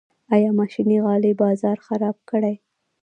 آیا ماشیني غالۍ بازار خراب کړی؟